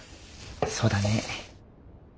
そうだね。